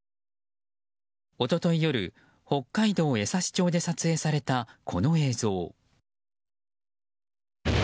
一昨日夜、北海道江差町で撮影されたこの映像。